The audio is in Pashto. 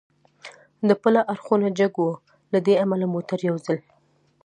د پله اړخونه جګ و، له دې امله موټر یو ځل.